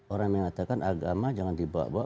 orang mengatakan agama jangan dibawa bawa